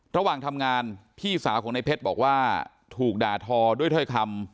ระหว่างทำงานพี่สาวของในเพชรบอกว่าถูกด่าทอด้วยถ้อยคำ